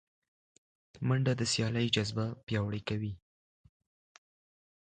منډه د سیالۍ جذبه پیاوړې کوي